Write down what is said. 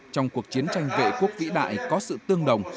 trong cuộc chiến tranh vệ quốc vĩ đại có sự tương đồng